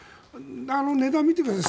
あの値段を見てください。